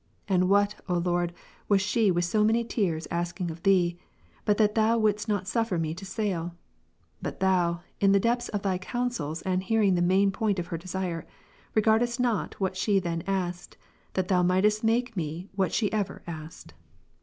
And what, O Lord, was she with so many tears asking of Thee, but that Thou wouldest not suf fer me to sail ? But Thou, in the depth of Thy counsels and hearing the main point of her desire, regardedst not what she then asked, that Thou mightest make me what she ever asked.